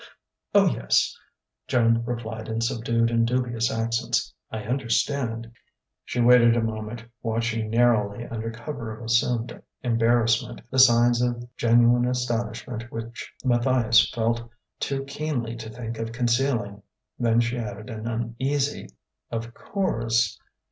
"Oh, yes," Joan replied in subdued and dubious accents "I understand." She waited a moment, watching narrowly under cover of assumed embarrassment, the signs of genuine astonishment which Matthias felt too keenly to think of concealing. Then she added an uneasy: "Of course...."